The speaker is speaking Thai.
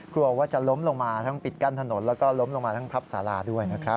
กลัวว่าจะล้มลงมาทั้งปิดกั้นถนนแล้วก็ล้มลงมาทั้งทับสาราด้วยนะครับ